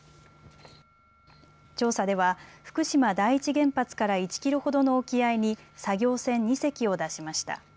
調査では福島第一原発から１キロほどの沖合に作業船２隻を出しました。